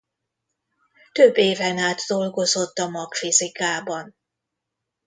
Több éven át dolgozott a magfizikában.